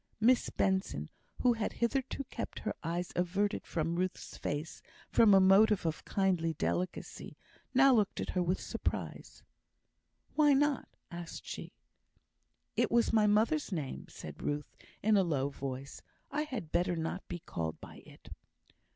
Miss Benson, who had hitherto kept her eyes averted from Ruth's face from a motive of kindly delicacy, now looked at her with surprise. "Why not?" asked she. "It was my mother's name," said Ruth, in a low voice. "I had better not be called by it."